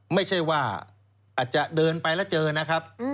ไม่ใช่ว่าอาจจะเดินไปแล้วเจอนะครับ